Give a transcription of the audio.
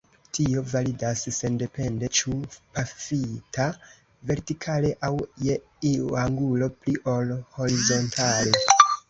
Tio validas sendepende ĉu pafita vertikale aŭ je iu angulo pli ol horizontale.